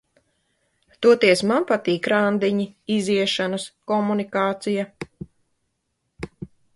Toties man patīk randiņi, iziešanas, komunikācija.